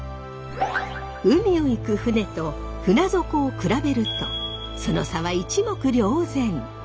海を行く船と船底を比べるとその差は一目瞭然。